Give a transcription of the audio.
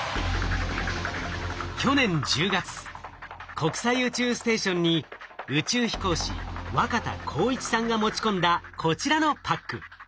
国際宇宙ステーションに宇宙飛行士若田光一さんが持ち込んだこちらのパック。